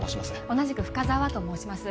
同じく深沢と申します